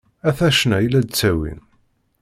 Ata ccna i la d-ttawin.